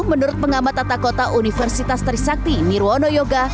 menurut pengamat tata kota universitas trisakti nirwono yoga